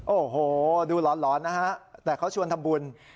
โอ้โหดูหลอนนะฮะแต่เขาชวนทำบุญ